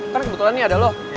kan kebetulan ini ada lo